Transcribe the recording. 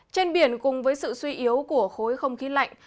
trên biển cùng với sự suy yếu của khối không khí lạnh